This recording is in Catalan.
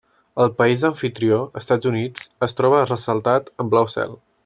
El país d'amfitrió, Estats Units, es troba ressaltat en blau cel.